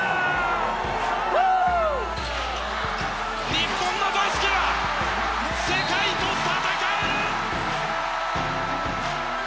日本のバスケは世界と戦える！